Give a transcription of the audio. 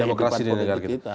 demokrasi di negara kita